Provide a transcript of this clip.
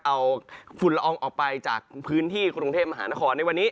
เอาฝุ่นละอองออกไปจากพื้นที่กรุงเทพมหานครในวันนี้